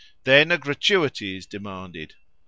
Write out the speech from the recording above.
Then a gratuity is demanded.